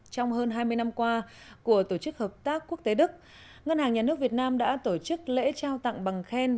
trong hơn hai mươi năm qua của tổ chức hợp tác quốc tế đức ngân hàng nhà nước việt nam đã tổ chức lễ trao tặng bằng khen